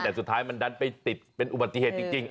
แต่สุดท้ายมันดันไปติดเป็นอุบัติเหตุจริง